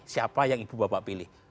siapa yang ibu bapak pilih